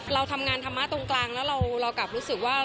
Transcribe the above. เราทำงานธรรมะตรงกลางแล้วเรากลับรู้สึกว่า